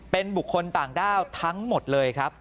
เป็นบุคคลต่างด้าวทั้งหมดเลยครับ